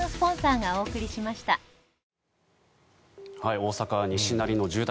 大阪・西成の住宅